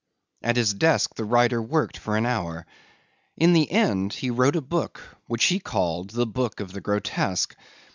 At his desk the writer worked for an hour. In the end he wrote a book which he called "The Book of the Grotesque."